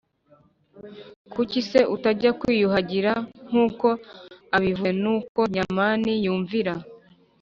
Kuki se utajya kwiyuhagira nk uko abivuze Nuko Nyamani yumvira